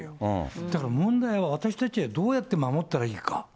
だから問題は、私たちはどうやって守ったらいいか。